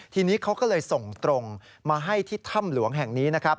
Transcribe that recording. ทีนี้เขาก็เลยส่งตรงมาให้ที่ถ้ำหลวงแห่งนี้นะครับ